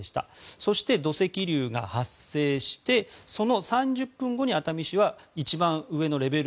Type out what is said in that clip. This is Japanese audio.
そして、土石流が発生してその３０分後に熱海市は一番上のレベル